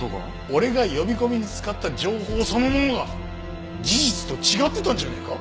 俺が呼び込みに使った情報そのものが事実と違ってたんじゃねえか？